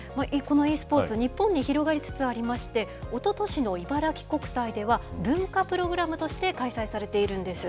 このｅスポーツ、日本で広がりつつありまして、おととしの茨城国体では、文化プログラムとして開催されているんです。